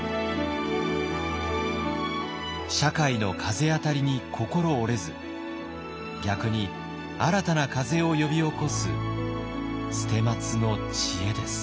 社会の風当たりに心折れず逆に新たな風を呼び起こす捨松の知恵です。